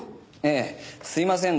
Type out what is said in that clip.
ええすいません